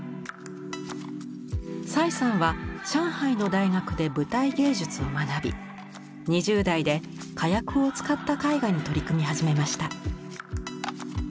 蔡さんは上海の大学で舞台芸術を学び２０代で火薬を使った絵画に取り組み始めました。